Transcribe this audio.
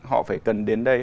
họ phải cần đến đây